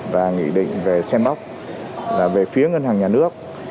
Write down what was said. và nghị định về xem bóc là về phía ngân hàng nhà nước